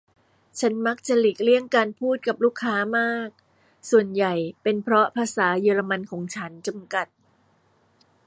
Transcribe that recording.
ฉันมักจะหลีกเลี่ยงการพูดกับลูกค้ามากส่วนใหญ่เป็นเพราะภาษาเยอรมันของฉัน จำกัด